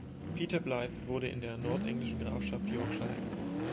Peter Blythe wurde in der nordenglischen Grafschaft Yorkshire geboren.